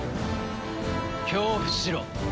恐怖しろ！